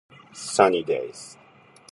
Sunny days.